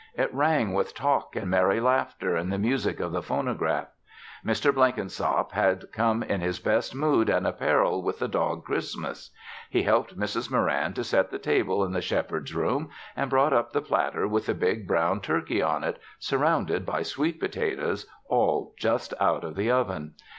It rang with talk and merry laughter and the music of the phonograph. Mr. Blenkinsop had come in his best mood and apparel with the dog Christmas. He helped Mrs. Moran to set the table in the Shepherd's room and brought up the platter with the big brown turkey on it, surrounded by sweet potatoes, all just out of the oven.